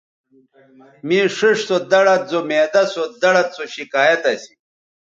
مے ݜیئݜ سو دڑد زو معدہ سو دڑد سو شکایت اسی